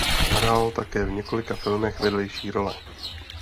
Hrál také v několika filmech vedlejší role.